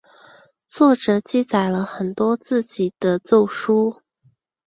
作者记载了很多自己的奏疏。